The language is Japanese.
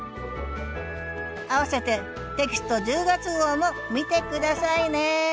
あわせてテキスト１０月号も見て下さいね！